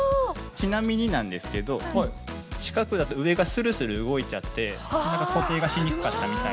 ちなみになんですけど四角だと上がスルスル動いちゃって固定がしにくかったみたい。